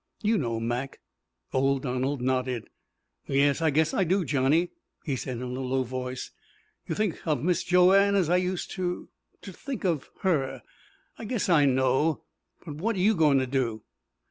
"You know, Mac." Old Donald nodded. "Yes, I guess I do, Johnny," he said in a low voice. "You think of Mis' Joanne as I used to to think of her. I guess I know. But what you goin' to do?"